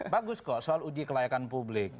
bagus kok soal uji kelayakan publik